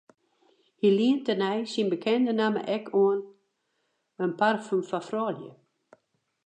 Hy lient tenei syn bekende namme ek oan in parfum foar froulju.